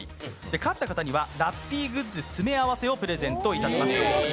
勝った方にはラッピーグッズの詰め合わせをプレゼントします。